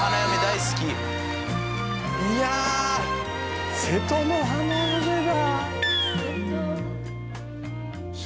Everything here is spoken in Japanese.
いや『瀬戸の花嫁』だ。